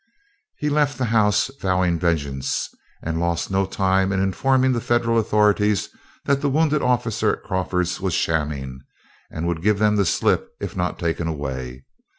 He left the house vowing vengeance, and lost no time in informing the Federal authorities that the wounded officer at Crawford's was shamming, and would give them the slip if not taken away.